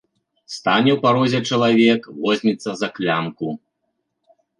Стане ў парозе чалавек, возьмецца за клямку.